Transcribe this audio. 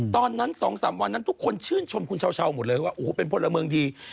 ตอนนั้น๒๓วันนั้นทุกคนชื่นชมคุณเช้าหมดเลยว่าโอ้โหเป็นพลเมืองดี